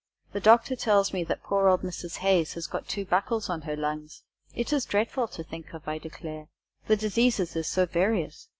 "The Doctor tells me that poor old Mrs. Haze has got two buckles on her lungs! It is dreadful to think of, I declare. The diseases is so various!